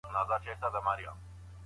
د نورو مذهب ته احترام د مسلمان دنده ده.